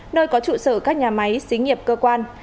nơi có trụ sở các nhà máy xí nghiệp cơ quan